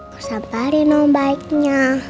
kusamparin om baiknya